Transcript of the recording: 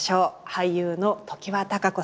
俳優の常盤貴子さん。